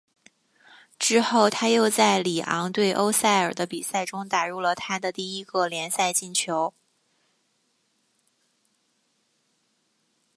之后他又在里昂对欧塞尔的比赛中打入了他的第一个联赛进球。